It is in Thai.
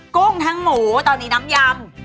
กุ้งทั้งหมูตอนนี้น้ำยำ